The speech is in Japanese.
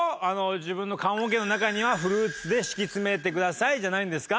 「自分の棺桶の中にはフルーツで敷き詰めてください」じゃないんですか？